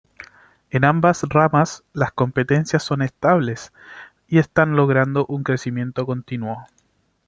En ambas ramas las competencias son estables y están logrando un crecimiento continuo.